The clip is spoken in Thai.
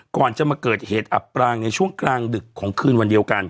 ก่อนจะมาเกิดเหตุอับปรางในช่วงกลางดึกของคืนวันเดียวกัน